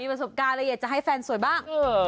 ประสบการณ์อะไรอยากจะให้แฟนสวยบ้าง